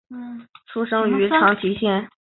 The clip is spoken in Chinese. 出身于长崎县。